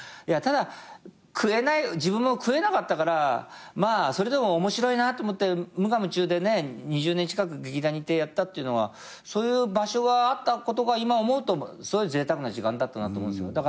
ただ食えない自分も食えなかったからそれでも面白いなと思って無我夢中で２０年近く劇団にいてやったっていうのはそういう場所があったことが今思うとすごいぜいたくな時間だったなと思うんすよ。